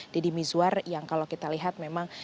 deddy mizwar yang kalau kita lihat memang